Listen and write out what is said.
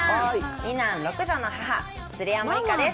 ２男６女の母、鶴山リカです。